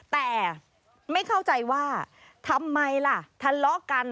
แต่ไม่เข้าใจว่าทำไมล่ะทะเลาะกัน